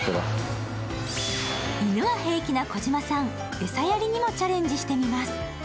犬は平気な児嶋さん、餌やりにもチャレンジしてみます。